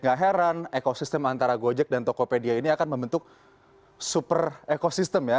gak heran ekosistem antara gojek dan tokopedia ini akan membentuk super ekosistem ya